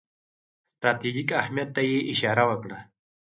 ستراتیژیک اهمیت ته یې اشاره وکړه.